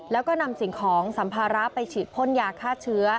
แล้วก็นำสิ่งของสัมภาระไปฉีดพ่นยาฆ่าเชื้อ